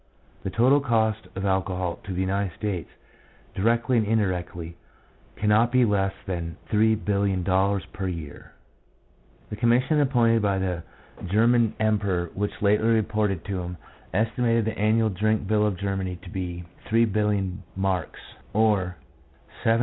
The total cost of alcohol to the United States, directly and indirectly, cannot be less than $3,000,000,000 per year. The commission appointed by the German Em peror, which lately reported to him, estimated the annual drink bill of Germany to be 3,000,000,000 marks ($720,000,000).